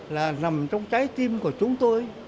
là nằm trong trái tim của chúng tôi